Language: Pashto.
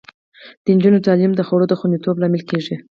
د نجونو تعلیم د خوړو د خوندیتوب لامل کیږي.